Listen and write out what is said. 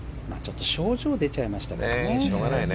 症状が出ちゃいましたからね。